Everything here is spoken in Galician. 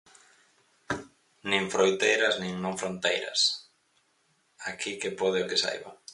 Nin froiteiras nin non fronteiras, aquí que pode o que saiba.